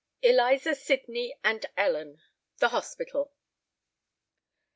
ELIZA SYDNEY AND ELLEN.—THE HOSPITAL.